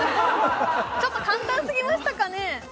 ちょっと簡単すぎましたかね